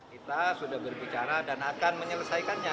kita sudah berbicara dan akan menyelesaikannya